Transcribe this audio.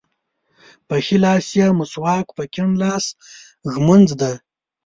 په ښي لاس یې مسواک په کیڼ لاس ږمونځ ده.